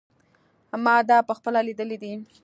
ما دا په خپله لیدلی دی.